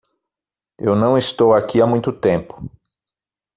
Eu não estou aqui há muito tempo!